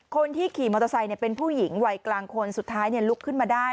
คนที่ขี่มอเตอร์ไซค์เป็นผู้หญิงวัยกลางคนสุดท้ายลุกขึ้นมาได้